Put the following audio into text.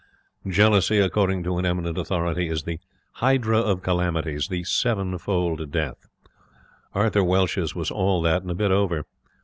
Jealousy, according to an eminent authority, is the 'hydra of calamities, the sevenfold death'. Arthur Welsh's was all that and a bit over.